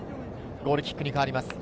ゴールキックに変わります。